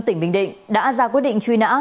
tỉnh bình định đã ra quyết định truy nã